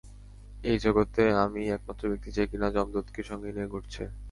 এই জগতে আমিই একমাত্র ব্যাক্তি যে কিনা যমদূতকে সঙ্গে নিয়ে ঘুরছে।